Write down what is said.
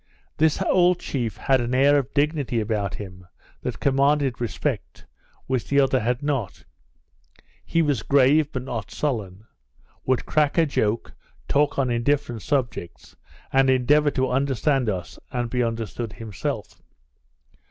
This old chief had an air of dignity about him that commanded respect, which the other had not. He was grave, but not sullen; would crack a joke, talk on indifferent subjects, and endeavour to understand us and be understood himself.